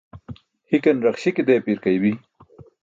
Hikan raxśi ke deepi̇rkaybi̇.